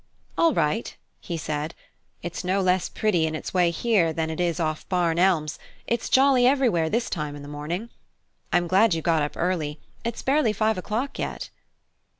"All right," he said; "it's no less pretty in its way here than it is off Barn Elms; it's jolly everywhere this time in the morning. I'm glad you got up early; it's barely five o'clock yet."